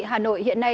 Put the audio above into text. hà nội hiện nay